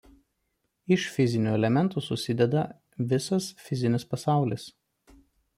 Iš fizinių elementų susideda visas fizinis pasaulis.